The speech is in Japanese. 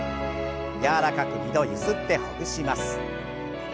柔らかく２度ゆすってほぐします。